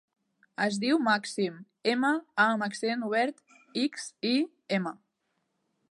Es diu Màxim: ema, a amb accent obert, ics, i, ema.